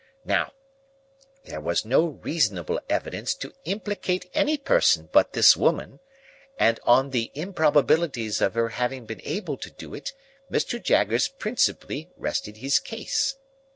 Now, there was no reasonable evidence to implicate any person but this woman, and on the improbabilities of her having been able to do it Mr. Jaggers principally rested his case.